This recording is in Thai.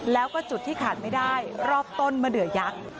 แล้วก็จุดที่ขาดไม่ได้รอบต้นมะเดือยักษ์